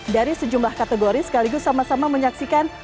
dari sejumlah kategori sekaligus sama sama menyaksikan